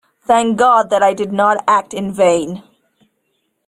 Thank God that I did not act in vain!